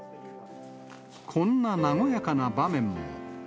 こんな和やかな場面も。